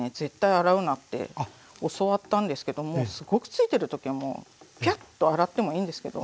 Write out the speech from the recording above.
洗うなって教わったんですけどもすごくついてる時はもうピャッと洗ってもいいんですけどまあ